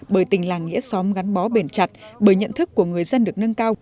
bởi tình làng nghĩa xóm gắn bó bền chặt bởi nhận thức của người dân được nâng cao